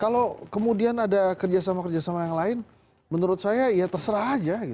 kalau kemudian ada kerjasama kerjasama yang lain menurut saya ya terserah aja